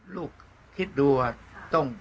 ลูกคิดดูว่าต้อง